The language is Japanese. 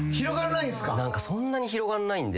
そんなに広がんないんで。